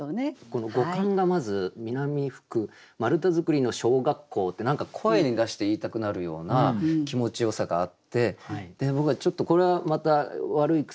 この語感がまず「南吹く丸太造りの小学校」って何か声に出して言いたくなるような気持ちよさがあって僕はちょっとこれはまた悪い癖なのかもしれないです。